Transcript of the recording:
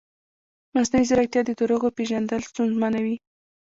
مصنوعي ځیرکتیا د دروغو پېژندل ستونزمنوي.